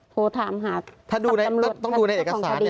โทรถามหาตำรวจต้องดูในเอกสาร